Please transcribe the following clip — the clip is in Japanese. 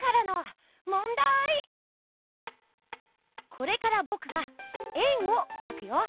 これからぼくが円をかくよ。